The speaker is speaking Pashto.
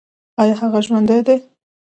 ایا هغه ژوندی دی؟